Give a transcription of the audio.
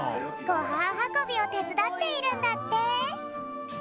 ごはんはこびをてつだっているんだって。